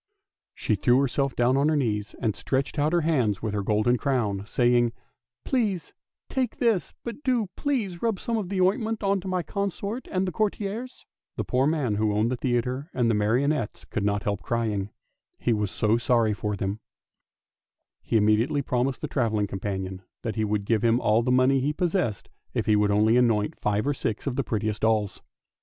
She threw herself down on her knees and stretched out her hands with her golden crown, saying, " Pray, take this, but do, please, rub some of the oint ment on to my consort and the courtiers! " The poor man who owned the theatre and the marionettes could not help crying, 372 ANDERSEN'S FAIRY TALES he was so sorry for them. He immediately promised the travel ling companion that he would give him all the money he pos sessed if he would only anoint five or six of the prettiest dolls.